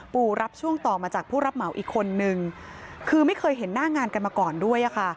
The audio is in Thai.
รับช่วงต่อมาจากผู้รับเหมาอีกคนนึงคือไม่เคยเห็นหน้างานกันมาก่อนด้วยอะค่ะ